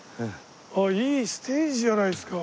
ああいいステージじゃないですか。